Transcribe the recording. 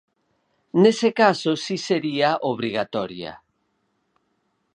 Nese caso si sería obrigatoria.